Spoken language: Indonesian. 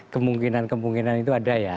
kemungkinan kemungkinan itu ada ya